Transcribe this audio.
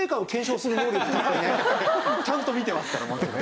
ちゃんと見てますから。